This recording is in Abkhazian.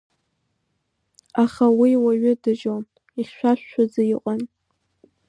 Аха уи уаҩы дажьон, ихьшәашәаӡа иҟан.